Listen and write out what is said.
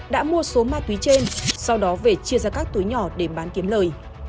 đã mua số ma túy trên sau đó về chia ra các túi nhỏ để bán kiếm lời